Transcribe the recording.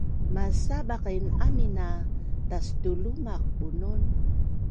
masabaqin amin a tastulumaq bunun